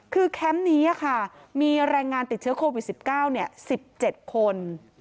คือแคมป์นี้มีแรงงานติดเชื้อโควิด๑๙๑๗คน